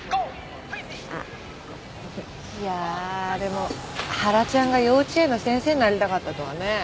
いやあでもハラちゃんが幼稚園の先生になりたかったとはね。